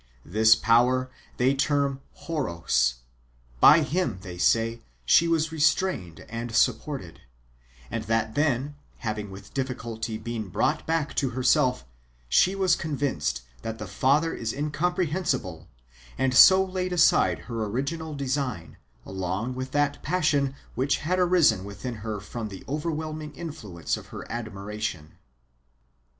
This power they term Horos ; by whom, they say, she was restrained and supported ; and that then, having with difficulty been brought back to herself, she was convinced that the Father is incomprehensible, and so laid aside her original design, along wath that passion which had arisen w^ithin her from the overwhelming influence of her admiration.